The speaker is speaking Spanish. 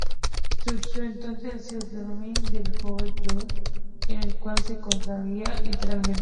Surgió entonces el seudónimo de João do Rio, con el cual se consagraría literariamente.